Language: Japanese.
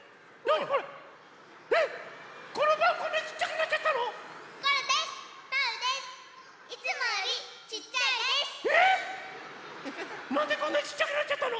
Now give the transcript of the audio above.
なんでこんなにちっちゃくなっちゃったの？